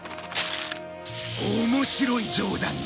面白い冗談だ。